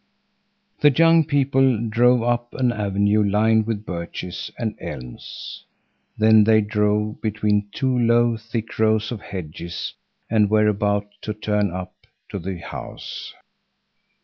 The young people drove up an avenue lined with birches and elms. Then they drove between two low, thick rows of hedges and were about to turn up to the house.